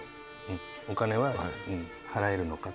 お金は払えるのか？